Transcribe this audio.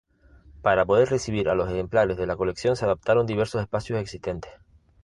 Para poder recibir a los ejemplares de la colección se adaptaron diversos espacios existentes.